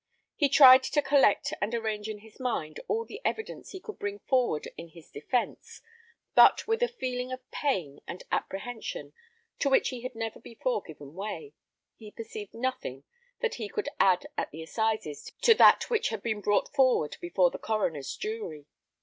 He tried to collect and arrange in his mind all the evidence he could bring forward in his defence; but with a feeling of pain and apprehension, to which he had never before given way, he perceived nothing that he could add at the assizes to that which had been brought forward before the coroner's jury.